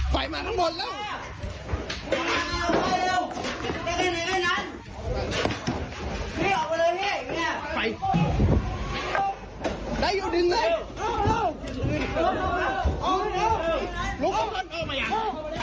ดังนี้จุดยุ่งเลยลุกออกมาไย